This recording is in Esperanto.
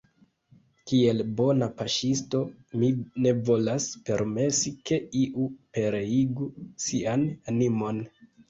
Kiel bona paŝtisto, mi ne volas permesi, ke iu pereigu sian animon.